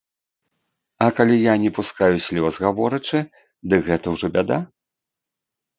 А калі я не пускаю слёз, гаворачы, дык гэта ўжо бяда?